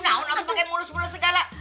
nih aku tau aku pakai mulus mulus segala